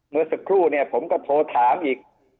เมื่อสักครู่เนี่ยผมก็โทรถามอีก